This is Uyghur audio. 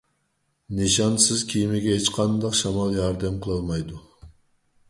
نىشانسىز كېمىگە ھېچقانداق شامال ياردەم قىلالمايدۇ.